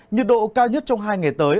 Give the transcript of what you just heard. nhiệt độ cao nhất trong hai ngày tới